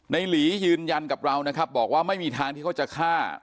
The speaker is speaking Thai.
หลียืนยันกับเรานะครับบอกว่าไม่มีทางที่เขาจะฆ่า